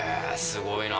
すごいな。